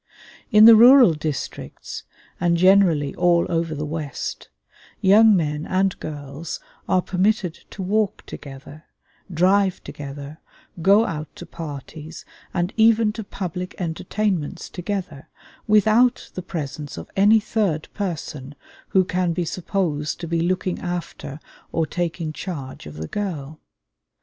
In the rural districts, and generally all over the West, young men and girls are permitted to walk together, drive together, go out to parties and even to public entertainments together, without the presence of any third person who can be supposed to be looking after or taking charge of the girl.